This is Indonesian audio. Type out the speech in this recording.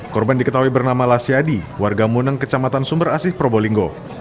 korban diketahui bernama lasiadi warga muneng kecamatan sumber asih probolinggo